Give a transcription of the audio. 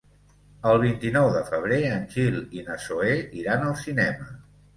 El vint-i-nou de febrer en Gil i na Zoè iran al cinema.